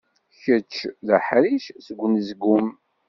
Kečč d aḥric seg unezgum.